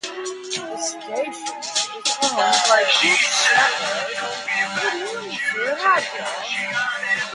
The station is owned by Good Shepherd Community Radio.